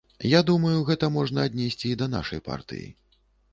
Я думаю, гэта можна аднесці і да нашай партыі.